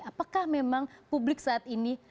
apakah memang publik saat ini